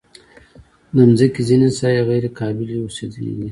د مځکې ځینې ساحې غیر قابلې اوسېدنې دي.